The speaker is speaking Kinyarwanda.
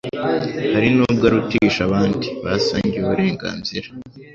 hari nubwo arutisha abandi basangiye uburengazira.